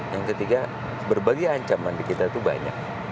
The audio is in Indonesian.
yang ketiga berbagai ancaman di kita itu banyak